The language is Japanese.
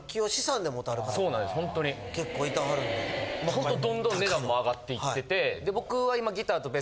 ほんとどんどん値段も上がっていってて僕は今。